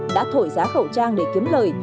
đã thổi giá khẩu trang để kiếm lời